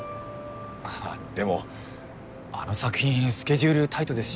あでもあの作品スケジュールタイトですし。